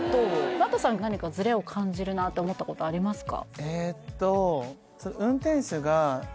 Ｍａｔｔさん何かズレを感じるなって思ったことありますか？